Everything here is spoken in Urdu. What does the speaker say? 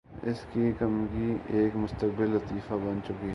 اس کی کمینگی ایک مستقل لطیفہ بن چکی ہے